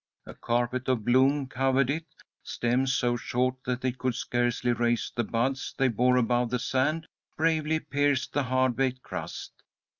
A carpet of bloom covered it. Stems so short that they could scarcely raise the buds they bore above the sand bravely pierced the hard baked crust.